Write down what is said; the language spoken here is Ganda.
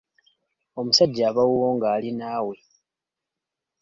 Omusajja aba wuwo nga ali naawe.